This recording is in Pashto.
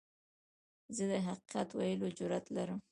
زه د حقیقت ویلو جرئت لرم.